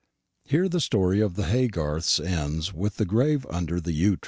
Here the story of the Haygarths ends with the grave under the yew tree.